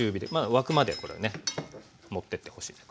沸くまでこれはね持ってってほしい。